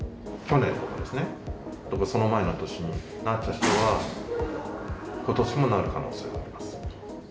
去年とかですね、その前の年になった人は、ことしもなる可能性があります。